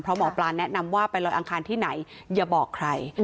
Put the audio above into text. เพราะหมอปลาแนะนำว่าไปลอยอังคารที่ไหนอย่าบอกใคร